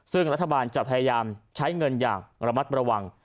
ซึ่งรัฐบาลจะพยายามใช้เงินอย่างระมัดระวัง